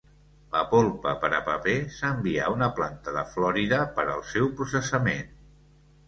La polpa per a paper s"envia a una planta de Florida per al seu processament.